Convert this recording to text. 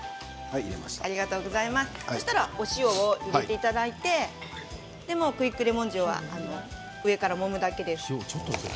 そうしたらお塩を入れていただいてクイックレモン塩上からもむだけです。